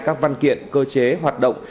các văn kiện cơ chế hoạt động